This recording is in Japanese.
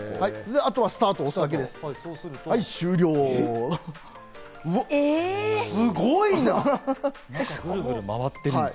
あとはスタートを押すだけです。